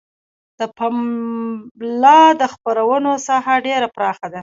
د پملا د خپرونو ساحه ډیره پراخه ده.